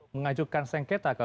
mengajukan sengketa ke